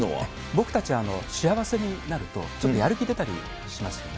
僕たちは幸せになるとちょっとやる気出たりしますよね。